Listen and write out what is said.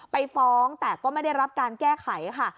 ไปฟ้องแต่ก็ไม่ได้รับการแก้ไขค่ะ